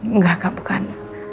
enggak kak bukan